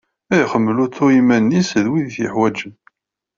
Ad ixdem lutu i yiman-is d wid i t-yuḥwaǧen.